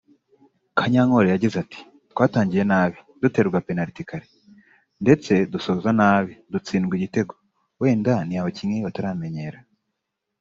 Kanyankole yagize ati “Twatangiye nabi [duterwa penaliti kare] ndetse dusoza nabi [dutsindwa igitego] wenda ni abakinnyi bataramenyera